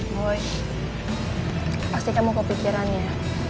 boy pasti kamu kepikiran ya